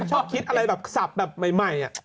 ชอบคิดอะไรแบบสับแบบใหม่